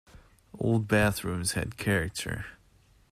Old bathrooms had character.